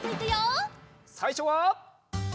さいしょは。